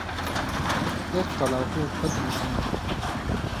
اېک قلاہوۡ فتح نی ہُون٘دوۡ